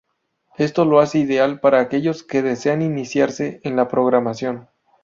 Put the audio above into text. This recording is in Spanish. Esto lo hace ideal para aquellos que desean iniciarse en la programación.